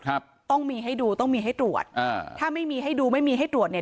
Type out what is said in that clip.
ครับต้องมีให้ดูต้องมีให้ตรวจอ่าถ้าไม่มีให้ดูไม่มีให้ตรวจเนี่ย